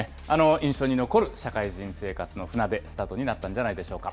印象に残る社会人生活の船出、スタートになったんじゃないでしょうか。